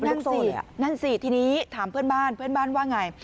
นั่นสินั่นสิทีนี้ถามเพื่อนบ้านเพื่อนบ้านว่าไง